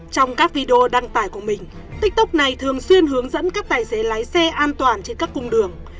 trong các video đăng tải của mình tiktok này thường xuyên hướng dẫn các tài xế lái xe an toàn trên các cung đường